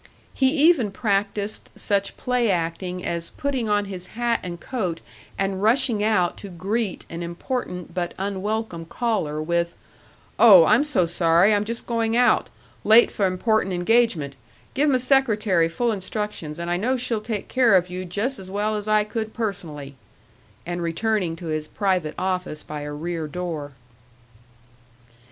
He even practised such play acting as putting on his hat and coat and rushing out to greet an important but unwelcome caller with, "Oh, I'm so sorry I'm just going out late f' important engagement given m' secretary full instructions, and I know she'll take care of you jus' as well as I could personally," and returning to his private office by a rear door.